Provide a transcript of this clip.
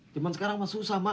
cuma sekarang mas susah mak